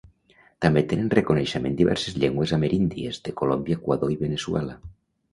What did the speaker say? També tenen reconeixement diverses llengües ameríndies de Colòmbia, Equador i Veneçuela.